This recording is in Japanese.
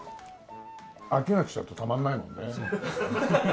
飽きが来ちゃうとたまんないもんね。